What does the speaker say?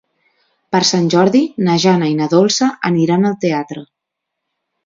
Per Sant Jordi na Jana i na Dolça aniran al teatre.